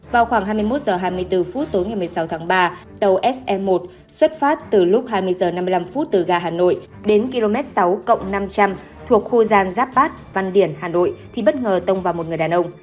vào khoảng hai mươi một h hai mươi bốn tối ngày một mươi sáu tháng ba tàu se một xuất phát từ lúc hai mươi h năm mươi năm từ ga hà nội đến km sáu năm trăm linh thuộc khu gian giáp bát văn điển hà nội thì bất ngờ tông vào một người đàn ông